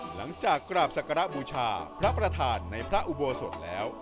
หลังจากกราบศักระบูชาพระประธานในพระอุโบสถแล้ว